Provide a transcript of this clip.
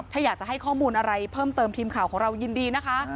ถ้าอยากจะให้ข้อมูลอะไรเพิ่มเติมทีมข่าวของเรายินดีนะคะ